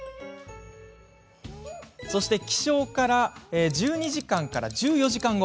そして起床１２時間から１４時間後。